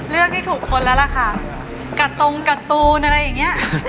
เลือกที่ถูกคนแล้วล่ะค่ะกระตงการ์ตูนอะไรอย่างเงี้ย